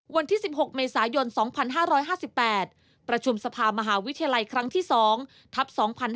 วันที่๑๖เมษายน๒๕๕๘ประชุมสภามหาวิทยาลัยครั้งที่๒ทัพ๒๕๕๙